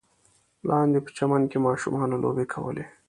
لاندې په چمن کې ماشومانو لوبې کولې.